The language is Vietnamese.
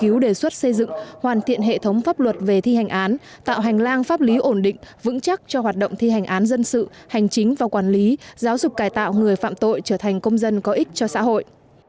nghiên cứu đề xuất xây dựng hoàn thiện hệ thống pháp luật về thi hành án tạo hành lang pháp lý ổn định vững chắc cho hoạt động thi hành án dân sự hành chính và quản lý giáo dục cải tạo người phạm tội trở thành công dân có ích cho xã hội